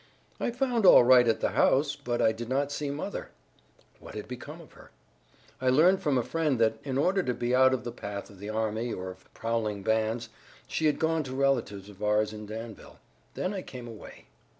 "I found all right at the house, but I did not see mother." "What had become of her?" "I learned from a friend that in order to be out of the path of the army or of prowling bands she had gone to relatives of ours in Danville. Then I came away."